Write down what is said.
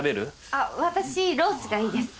あっ私ロースがいいです。